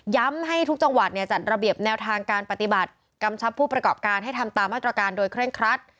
ให้ทุกจังหวัดจัดระเบียบแนวทางการปฏิบัติกำชับผู้ประกอบการให้ทำตามมาตรการโดยเร่งครัด